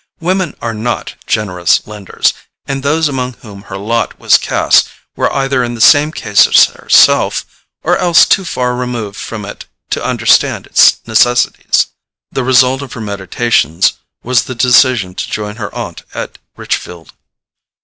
Women are not generous lenders, and those among whom her lot was cast were either in the same case as herself, or else too far removed from it to understand its necessities. The result of her meditations was the decision to join her aunt at Richfield.